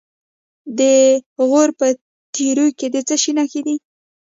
د غور په تیوره کې د څه شي نښې دي؟